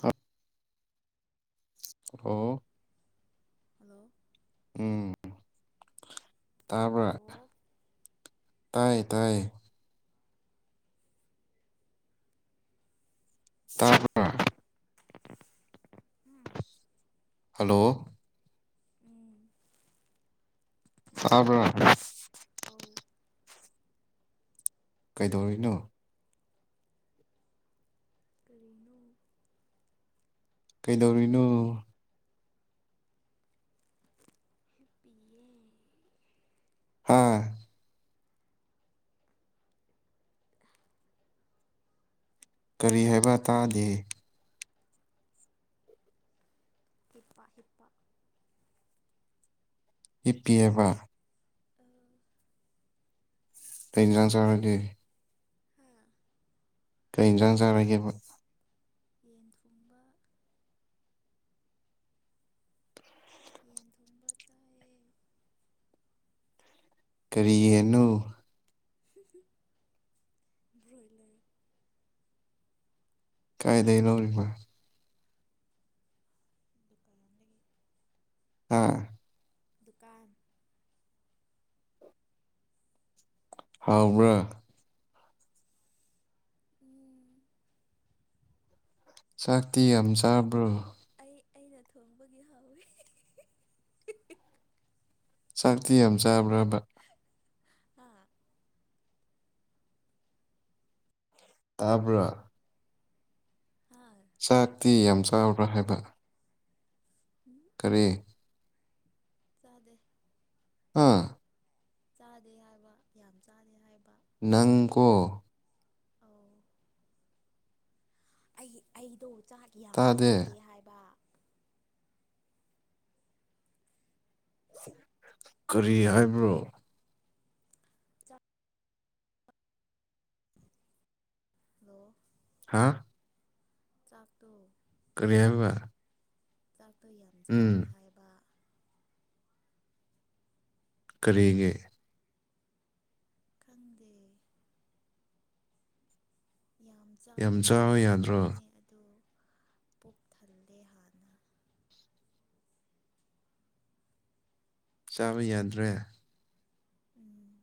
ꯍꯥ ꯑꯣ ꯍꯜꯂꯣ ꯎꯝ ꯇꯥꯔꯕ ꯍꯜꯂꯣ ꯇꯥꯏꯌꯦ ꯇꯥꯏꯌꯦ ꯇꯕꯥ꯭ꯔ ꯎꯝ ꯍꯜꯂꯣ ꯎꯝ ꯇꯥꯕꯔ ꯑꯧ ꯀꯩꯗꯧꯔꯤꯅꯣ ꯀꯔꯤꯅꯣ ꯀꯩꯗꯧꯔꯤꯅꯣ [inaudible] ꯍꯥꯥ ꯀꯔꯤ ꯍꯥꯏꯕ ꯇꯥꯗꯦ [inaudible] ꯍꯤꯞꯄꯤꯌꯦ ꯑ ꯀꯩ ꯏꯁꯥꯡ ꯆꯥꯔꯒ ꯍꯥ ꯀꯩ ꯌꯦꯟꯁꯥꯡ ꯆꯥꯔꯒꯦꯕ ꯌꯦꯟ ꯊꯣꯡꯕ ꯌꯦꯟ ꯊꯣꯡꯕ ꯆꯥꯏꯌꯦ ꯀꯔꯤ ꯌꯦꯅꯣ ꯕ꯭ꯔꯣꯏꯂꯔ ꯀꯥꯏꯗ ꯂꯧꯔꯨꯔꯤꯕ ꯗꯨꯀꯥꯟꯗꯒꯤ ꯑꯥ ꯗꯨꯀꯥꯟ ꯍꯥꯎ꯭ꯕꯥꯔ ꯎꯝ ꯆꯥꯛꯇꯤ ꯌꯥꯝ ꯑꯩ ꯆꯥꯕ꯭ꯔꯣ ꯑꯩ ꯑꯩꯅ ꯊꯣꯡꯕꯒꯤ ꯍꯥꯎꯋꯤ ꯆꯥꯛꯇꯤ ꯌꯥꯝ ꯆꯥꯕ꯭ꯔꯕ ꯑ ꯇꯥꯕꯔ ꯍꯥ ꯆꯥꯛꯇꯤ ꯌꯥꯝ ꯆꯥꯎꯕ꯭ꯔꯥ ꯍꯥꯏꯕ ꯀꯔꯤ ꯆꯗꯦ ꯑꯥ ꯆꯥꯗꯦ ꯍꯥꯏꯕ ꯌꯥꯝ ꯆꯥꯗꯦ ꯍꯥꯏꯕ ꯅꯪꯀꯣ ꯑꯧ ꯑꯩ ꯑꯗꯣ ꯆꯥꯛ ꯌꯥꯝ ꯇꯥꯗꯦ ꯆꯥꯗꯦ ꯍꯥꯏꯕ ꯀꯔꯤ ꯍꯥꯏꯕ꯭ꯔꯣ ꯆꯥꯛ ꯍꯂꯣ ꯍꯥꯥ ꯆꯛꯇꯣ ꯀꯩꯔꯤ ꯍꯥꯏꯕ ꯆ ꯑꯗꯨ ꯌꯥꯝ ꯆꯥꯗꯦ ꯎꯝ ꯍꯥꯏꯕ ꯀꯔꯤꯒꯦ ꯀꯟꯗꯦ ꯌꯥꯝ ꯌꯥꯝ ꯆꯥꯒꯦꯗꯤ ꯆꯥꯕ ꯌꯥꯗ꯭ꯔꯣ ꯈꯟꯕꯅꯦ ꯑꯗꯣ ꯄꯨꯛ ꯊꯜꯂꯦ ꯍꯥꯏꯅ ꯆꯥꯕ ꯌꯥꯗ꯭ꯔꯦ ꯎꯝ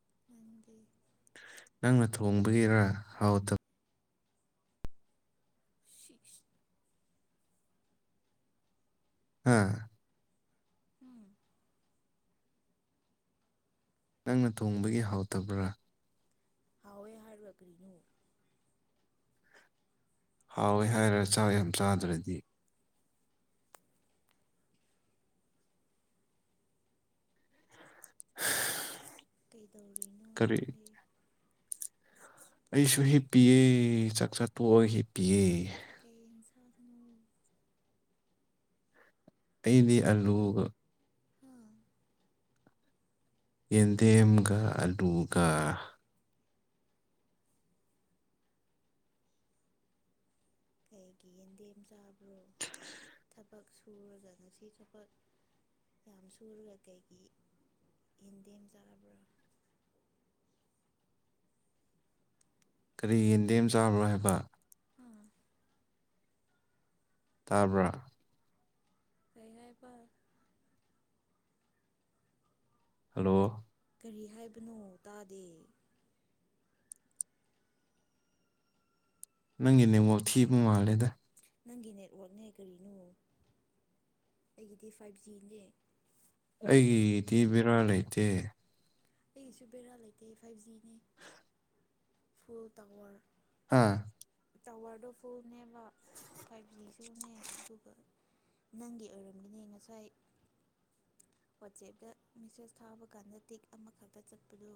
ꯑꯗꯄꯒꯤ ꯅꯪꯅ ꯊꯣꯡꯕꯒꯤꯔꯥ ꯍꯥꯎꯇꯕ ꯁꯤꯁ ꯍꯥ ꯎꯝ ꯅꯪꯅ ꯊꯣꯡꯕꯒꯤ ꯍꯥꯎꯇꯕ꯭ꯔꯥ ꯍꯥꯎꯋꯦ ꯍꯥꯏꯔꯒ ꯀꯔꯤꯅꯣ ꯍꯥꯎꯋꯦ ꯍꯥꯏꯔꯒ ꯆꯥꯛ ꯌꯥꯝ ꯆꯥꯗ꯭ꯔꯗꯤ [inaudible] ꯀꯩꯗꯧꯔꯤꯅꯣ ꯀꯔꯤ ꯅꯪꯒꯤ ꯑꯩꯁꯨ ꯍꯤꯞꯄꯤꯌꯦ ꯆꯥꯛ ꯆꯥ ꯇꯣꯛꯑꯒ ꯍꯤꯞꯄꯤꯑꯦ ꯀꯩ ꯏꯟꯁꯥꯡꯅ ꯑꯗꯤ ꯑꯂꯨꯒ ꯑ ꯌꯦꯗꯦꯝꯒ ꯑꯂꯨꯒ ꯀꯩꯒꯤ ꯌꯦꯟꯗꯦꯝ ꯆꯥꯕ꯭ꯔꯣ ꯊꯕꯛ ꯁꯨꯔꯒ ꯊꯕꯛ ꯌꯥꯝ ꯁꯨꯔꯒ ꯀꯩꯒꯤ ꯌꯦꯟꯗꯦꯝ ꯆꯥꯔꯕ꯭ꯔꯥ ꯀꯔꯤ ꯌꯦꯟꯗꯦꯝ ꯆꯥꯕ꯭ꯔꯣ ꯍꯥꯏꯕ ꯍꯥ ꯇꯥꯕ ꯍꯥꯏꯕ ꯍꯜꯂꯣ ꯀꯔꯤ ꯍꯥꯏꯕꯅꯣ ꯇꯥꯗꯦ ꯅꯪꯒꯤ ꯅꯦꯠꯋꯥꯛ ꯊꯤꯕ ꯃꯥꯜꯂꯦꯗ ꯅꯪꯒꯤ ꯅꯦꯠꯋꯛꯅꯦ ꯀꯔꯤꯅꯣ ꯑꯩꯒꯤꯗꯤ ꯐꯥꯏꯚ ꯖꯤꯅꯦ ꯑꯩꯒꯤꯗꯤ ꯕꯦꯔꯥ ꯂꯩꯇꯦ ꯑꯩꯒꯤꯁꯨ ꯕꯦꯔꯥ ꯂꯩꯇꯦ ꯐꯥꯏꯚ ꯖꯤꯅꯦ ꯐꯨꯜ ꯇꯥꯋꯔ ꯍꯥꯥ ꯇꯥꯋꯔꯗꯣ ꯐꯨꯜꯅꯦꯕ ꯐꯥꯏꯚ ꯖꯤꯁꯨꯅꯦ ꯑꯗꯨꯒ ꯅꯪꯒꯤ ꯑꯣꯏꯔꯝꯃꯤꯅꯦ ꯉꯁꯥꯏ ꯋꯥꯆꯦꯞꯇ ꯃꯦꯁꯦꯁ ꯊꯥꯕ ꯀꯥꯟꯗ ꯇꯤꯛ ꯑꯃꯈꯛꯇ ꯆꯠꯄꯗꯨ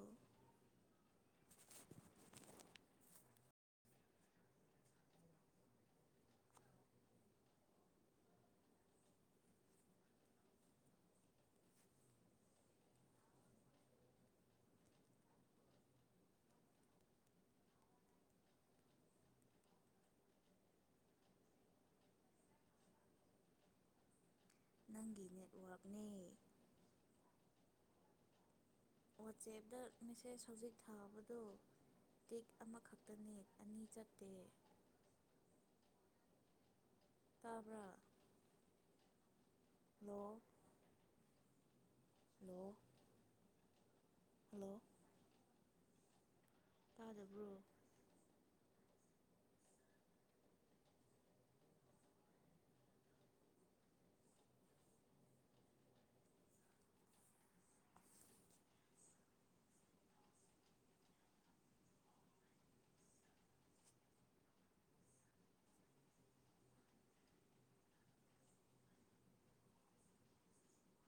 ꯅꯪꯒꯤꯅꯦꯠ ꯑꯣꯏꯔꯝꯅꯦ ꯋꯥꯆꯦꯞꯇ ꯃꯦꯁꯦꯖ ꯍꯧꯖꯤꯛ ꯊꯥꯕꯗꯣ ꯇꯤꯛ ꯑꯃꯈꯛꯇꯅꯦ ꯑꯅꯤ ꯆꯠꯇꯦ ꯇꯥꯕ꯭ꯔ ꯅ ꯍꯂꯣ ꯍꯜꯂꯣ ꯇꯥꯗꯕ꯭ꯔꯣ